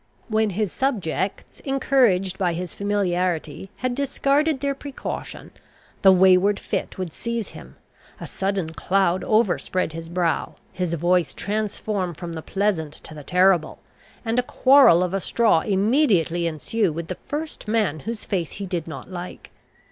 When his subjects, encouraged by his familiarity, had discarded their precaution, the wayward fit would seize him, a sudden cloud overspread his brow, his voice transform from the pleasant to the terrible, and a quarrel of a straw immediately ensue with the first man whose face he did not like.